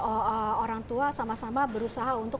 oh orang tua sama sama berusaha untuk